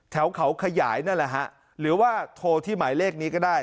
แถวเขาขยายนั่นแหละฮะหรือว่าโทรที่หมายเลขนี้ก็ได้